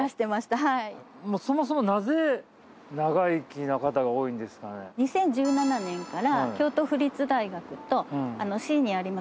はいそもそも２０１７年から京都府立大学と市にあります